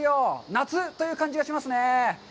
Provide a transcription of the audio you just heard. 夏という感じがしますね。